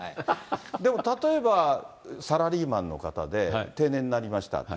でも例えば、サラリーマンの方で定年になりました。